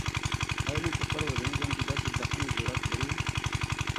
آیا موږ په خپل ورځني ژوند کې د داسې بښنې جرات لرو؟